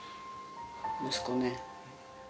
息子ね。